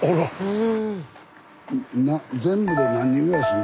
うん。